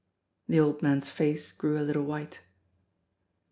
The old man's face grew a little white.